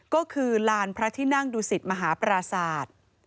ก็คือลานพระที่นั่งดูสิตมหาปราศาสตร์